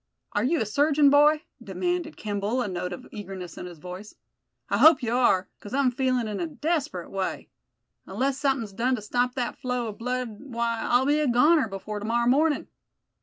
"Are you a surgeon, boy?" demanded Kimball, a note of eagerness in his voice. "I hope you are, because I'm feeling in a desperate way. Unless something's done to stop that flow of blood, why, I'll be a goner before to morrow morning."